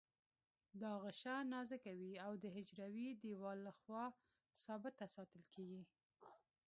دا غشا نازکه وي او د حجروي دیوال له خوا ثابته ساتل کیږي.